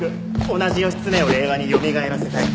同じ義経を令和によみがえらせたい。